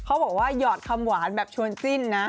เค้าบอกว่ายอดคำหวานแบบชวนจิ้นนะ